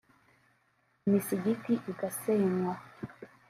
imisigiti igasenywa